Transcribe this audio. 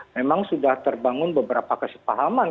memang sudah terbangun beberapa kesepahaman